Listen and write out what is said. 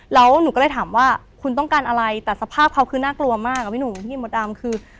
แล้วหนูก็เลยถามว่าคุณต้องการอะไรแต่สภาพเขาคือน่ากลัวมากอะพี่หนุ่มพี่มดดำคือ